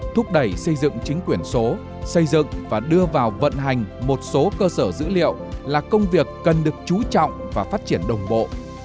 thúc đẩy xây dựng chính quyền số xây dựng và đưa vào vận hành một số cơ sở dữ liệu là công việc cần được chú trọng và phát triển đồng bộ